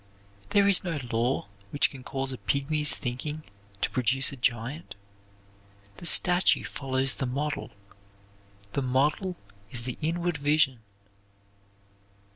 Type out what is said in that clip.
There is no law which can cause a pygmy's thinking to produce a giant. The statue follows the model. The model is the inward vision.